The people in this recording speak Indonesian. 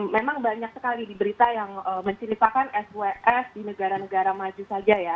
memang banyak sekali diberita yang menciripakan sws di negara negara maju saja ya